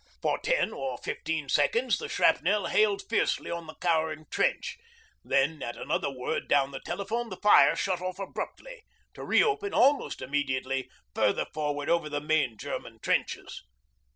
For ten or fifteen seconds the shrapnel hailed fiercely on the cowering trench; then, at another word down the telephone, the fire shut off abruptly, to re open almost immediately further forward over the main German trenches.